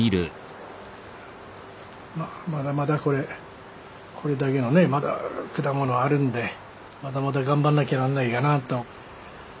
まあまだまだこれこれだけのねまだ果物あるんでまだまだ頑張んなきゃなんないかなと。